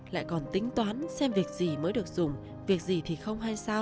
lại còn tính toán xem việc gì mới được dùng việc gì thì không hay sao